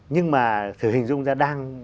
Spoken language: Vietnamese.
nhưng mà thử hình dung ra đang